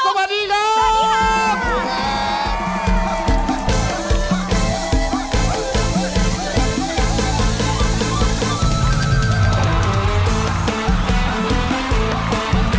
สวัสดีครับ